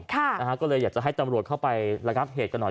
ก็เลยอยากจะให้ตำรวจเข้าไประงับเหตุกันหน่อย